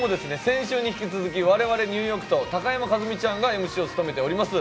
先週に引き続き我々ニューヨークと高山一実ちゃんがＭＣを務めております